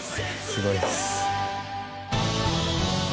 すごいです！